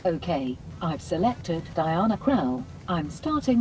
oke saya telah memilih diana kroll saya mulai permainannya